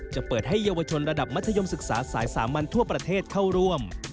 จะเปิดให้เยาวชนระดับมัธยมศึกษาสายสามัญทั่วประเทศเข้าร่วม